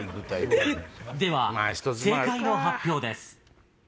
では正解の発表です。